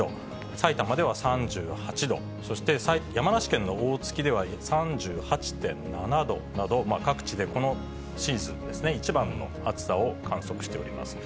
さいたまでは３８度、そして山梨県の大月では３８．７度など、各地でこのシーズン一番の暑さを観測しております。